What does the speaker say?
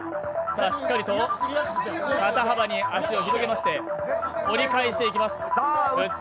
しっかりと肩幅に足を広げまして折り返していきます。